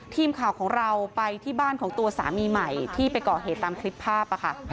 ทีมข่าวของเราไปที่บ้านของตัวสามีใหม่ที่ไปก่อเหตุตามคลิปภาพค่ะ